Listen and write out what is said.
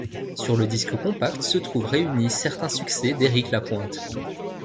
Sur le disque compact, se trouvent réunis certains succès d'Éric Lapointe.